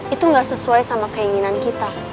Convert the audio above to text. itu gak sesuai sama keinginan kita